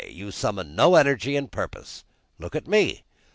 You summon no energy and purpose. Look at me."